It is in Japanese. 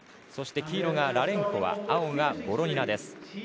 そして、黄色がラレンコワ青がボロニナです。